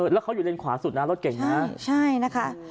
แล้วเขาอยู่เลนขวาสุดนะรถเก่งนะใช่นะคะ